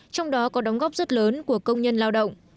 trong đó có đóng góp rất lớn của công nhân lao động